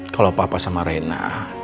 kalau papa sama rena